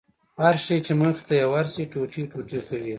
هر شى چې مخې ته يې ورسي ټوټې ټوټې کوي يې.